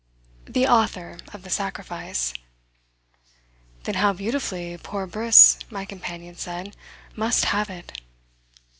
"The author of the sacrifice." "Then how beautifully 'poor Briss,'" my companion said, "must have it!"